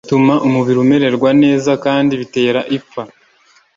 bituma umubiri umererwa neza kandi bitera ipfa